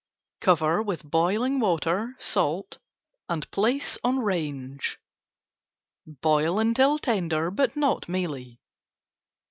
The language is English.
Cover with boiling water, salt and place on range. Boil until tender, but not mealy.